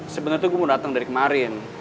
sebenernya gue mau dateng dari kemarin